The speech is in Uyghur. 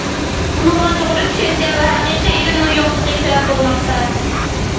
بۇنىڭغا توغرا چۈشەنچە ۋە ھەقىقىي ئىلىمنىڭ يوقلۇقى سەۋەب بولماقتا.